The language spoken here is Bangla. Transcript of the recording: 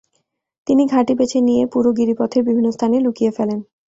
তিনি ঘাঁটি বেছে নিয়ে পুরো গিরিপথের বিভিন্ন স্থানে লুকিয়ে ফেলেন।